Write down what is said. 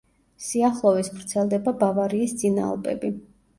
სიახლოვეს ვრცელდება ბავარიის წინაალპები.